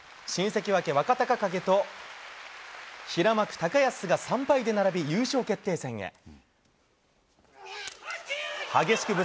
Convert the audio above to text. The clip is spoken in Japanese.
新関脇・若隆景と平幕・高安が３敗で並び、優勝決定戦へ。